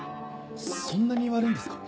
そんなに悪いんですか？